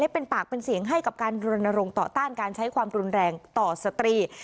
เป็นปากเป็นเสียงให้กับการรณรงค์ต่อต้านการใช้ความรุนแรงต่อสตรี